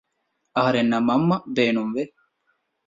އަހަރެންނަށް މަންމަ ބޭނުންވެ